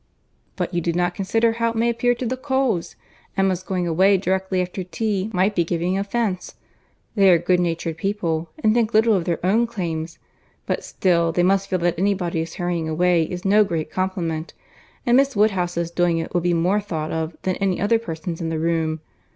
"But you do not consider how it may appear to the Coles. Emma's going away directly after tea might be giving offence. They are good natured people, and think little of their own claims; but still they must feel that any body's hurrying away is no great compliment; and Miss Woodhouse's doing it would be more thought of than any other person's in the room.